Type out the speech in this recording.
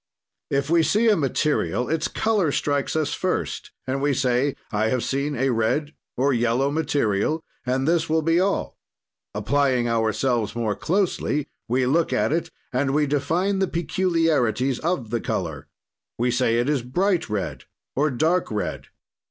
"If we see a material, its color strikes us first and we say: I have seen a red or yellow material, and this will be all. "Applying ourselves more closely, we look at it and we define the peculiarities of the color. We say: it is bright red or dark red.